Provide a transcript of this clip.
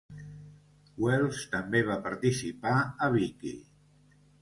Wells també va participar a Vicki!